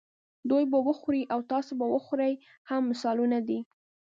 دوی به وخوري او تاسې به وخورئ هم مثالونه دي.